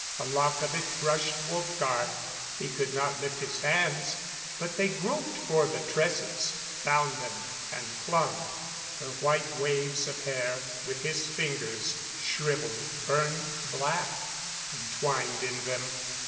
A lock of it brushed Wolfgar. He could not lift his hands, but they groped for the tresses, found them and clung. Her white waves of hair, with his fingers, shriveled, burned black, entwined in them.